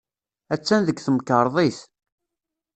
Attan deg temkarḍit.